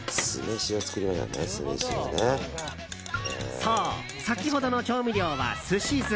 そう、先ほどの調味料は寿司酢。